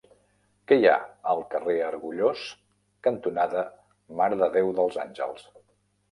Què hi ha al carrer Argullós cantonada Mare de Déu dels Àngels?